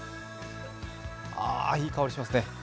あ、いい香りしますね。